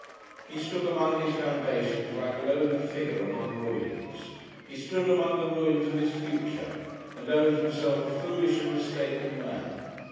He stood among his foundations like a lonely figure among ruins; he stood among the ruins of his future, and owned himself a foolish and mistaken man.